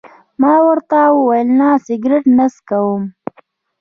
ما ورته وویل: نه، سګرېټ نه څکوم.